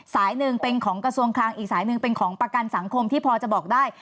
สายหนึ่งเป็นของกระทรวงคลังอีกสายหนึ่งเป็นของประกันสังคมที่พอจะบอกได้